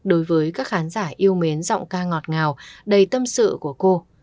đối với các khán giả yêu mến giọng ca ngọt ngào đầy tâm sự của cô